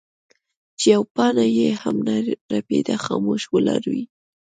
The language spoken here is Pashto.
چې يوه پاڼه يې هم نۀ رپيده خاموش ولاړې وې ـ